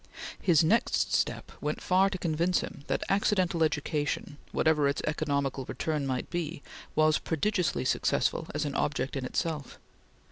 His next step went far to convince him that accidental education, whatever its economical return might be, was prodigiously successful as an object in itself.